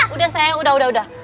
udah sayang udah udah udah